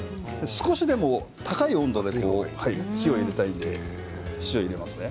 少しでも高い温度で火を入れたいので塩を入れますね。